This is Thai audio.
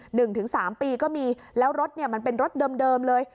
หนึ่งถึงสามปีก็มีแล้วรถเนี่ยมันเป็นรถเดิมเดิมเลย